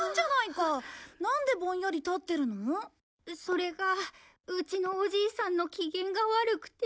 それがうちのおじいさんの機嫌が悪くて。